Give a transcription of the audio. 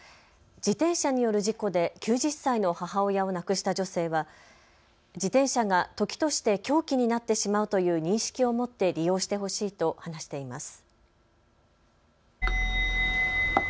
自転車による事故で９０歳の母親を亡くした女性は自転車が時として凶器になってしまうという認識を持って利用してほしいと話しています。